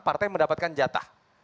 partai mendapatkan jatah